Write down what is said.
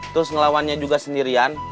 terus ngelawannya juga sendirian